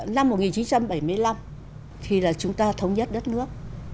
năm một nghìn chín trăm bảy mươi năm khi là chúng ta thống nhất đất nước